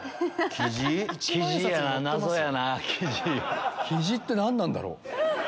キジって何なんだろう？